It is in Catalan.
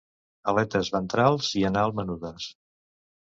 Aletes ventrals i anal menudes.